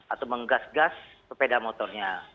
atau menggas gas sepeda motornya